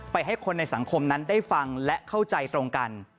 ให้คนในสังคมนั้นได้ฟังและเข้าใจตรงกัน